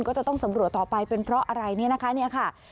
ก็จะต้องสำรวจต่อไปเป็นเพราะอะไรนี่นะคะ